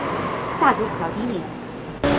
价格比较低廉。